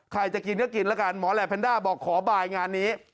ใครจะกินก็กินแล้วกันหมอแหลปแนนด้าบอกขอบายงานนี้